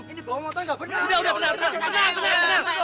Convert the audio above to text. ini tolong motor gak berantem